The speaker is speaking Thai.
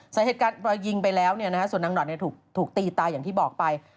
สาเหตุการณ์รอยยิงไปแล้วส่วนนางหนอดถูกตีตายอย่างที่บอกไป